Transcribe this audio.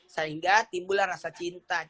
jadi kita mulai merasa cinta